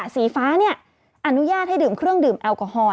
สีฟ้าอนุญาตให้ดื่มเครื่องดื่มแอลกอฮอล